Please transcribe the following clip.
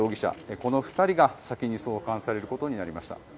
この２人が先に送還されることになりました。